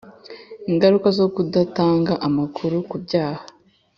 ingaruka zo kudatanga amakuru ku byaha